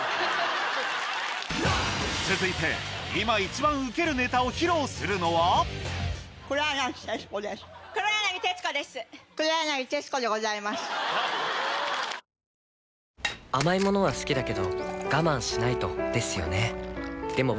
続いて今一番ウケるネタを披露するのは甘い物は好きだけど我慢しないとですよね